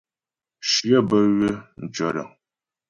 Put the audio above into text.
Shyə bə́ ywə̌ tʉ̂ɔdəŋ.